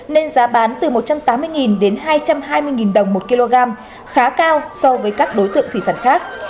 nên giá bán từ một trăm tám mươi đến hai trăm hai mươi đồng một kg khá cao so với các đối tượng thủy sản khác